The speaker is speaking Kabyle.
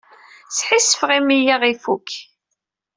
Sḥissifeɣ imi ay aɣ-ifuk.